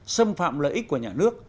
xâm phạm lợi ích của nhà nước